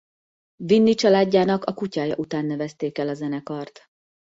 Vinnie családjának a kutyája után nevezték el a zenekart.